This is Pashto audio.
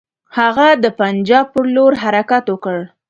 هغه د پنجاب پر لور حرکت وکړ.